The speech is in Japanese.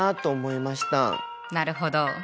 なるほど。